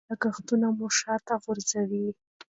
بې ځایه لګښتونه مو شاته غورځوي.